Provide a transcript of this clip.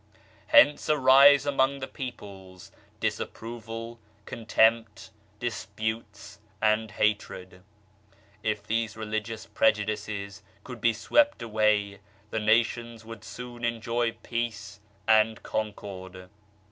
Hence arise among the peoples, disapproval, contempt, disputes and hatred. If these religious prejudices could be swept away, the nations would soon enjoy peace and concord.